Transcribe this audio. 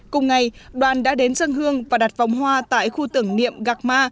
cùng ngày đoàn đã đến dân hương và đặt vòng hoa tại khu tưởng niệm gạc ma